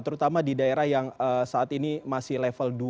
terutama di daerah yang saat ini masih level dua